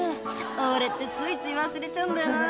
「俺ってついつい忘れちゃうんだよな」